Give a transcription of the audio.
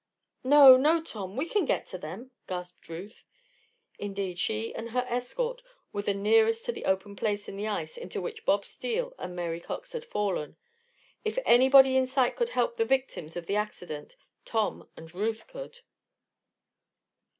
"No, no, Tom! We can get to them," gasped Ruth. Indeed, she and her escort were the nearest to the open place in the lake into which Bob Steele and Mary Cox had fallen. If anybody in sight could help the victims of the accident Tom and Ruth could!